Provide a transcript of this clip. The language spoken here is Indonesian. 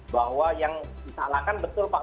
bahwa yang disalahkan betul pak